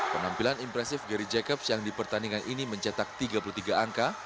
penampilan impresif gary jacobs yang di pertandingan ini mencetak tiga puluh tiga angka